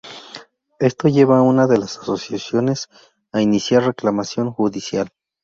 Esto lleva a una de las asociaciones a iniciar reclamación judicial.